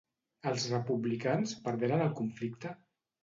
Els republicans perderen el conflicte?